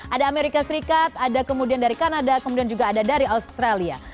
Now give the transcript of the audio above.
ada amerika serikat ada kemudian dari kanada kemudian juga ada dari australia